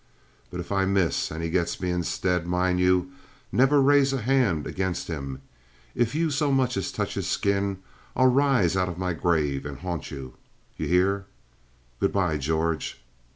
"But if I miss and he gets me instead, mind you, never raise a hand against him. If you so much as touch his skin, I'll rise out of my grave and haunt you. You hear? Good by, George."